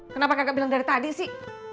kenapa kakak bilang dari tadi sih